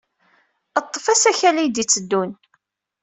Ḍḍef asakal ay d-yetteddun.